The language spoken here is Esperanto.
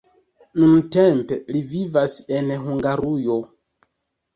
Nuntempe li vivas en Hungarujo.